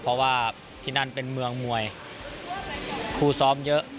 เพราะว่าที่นั่นเป็นเมืองมวยคู่ซ้อมเยอะ